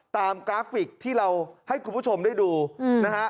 กราฟิกที่เราให้คุณผู้ชมได้ดูนะฮะ